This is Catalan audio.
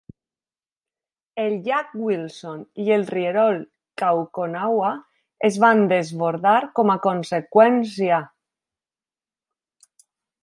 El llac Wilson i el rierol Kaukonahua es van desbordar com a conseqüència.